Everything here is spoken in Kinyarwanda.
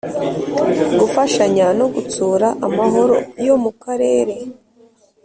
gufashanya no gutsura amahoro yo mu karere.